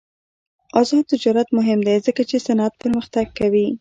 آزاد تجارت مهم دی ځکه چې صنعت پرمختګ کوي.